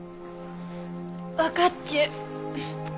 分かっちゅう。